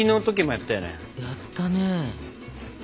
やったね。